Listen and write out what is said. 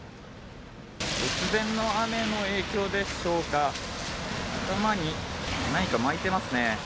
突然の雨の影響でしょうか、頭に何か巻いてますね。